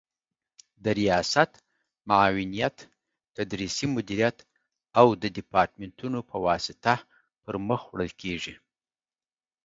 د ریاست، معاونیت، تدریسي مدیریت او دیپارتمنتونو په واسطه پر مخ وړل کیږي